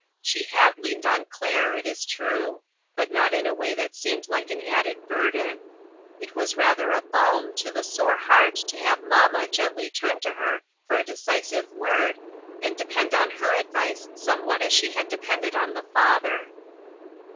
She had leaned on Claire, it is true, but not in a way that seemed like an added burden ; it was rather a balm to the sore heart to have " mamma " gently turn to her for a decisive word, and depend on her advice somewhat as she had depended on the father.